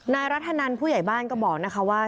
นายรัฐนันผู้ใหญ่บ้านก็บอกนะคะว่า